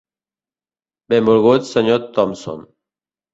Benvolgut Sr. Thompson.